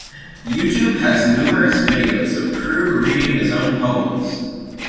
YouTube has numerous videos of Crew reading his own poems.